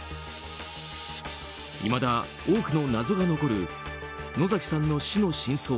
いまだ多くの謎が残る野崎さんの死の真相。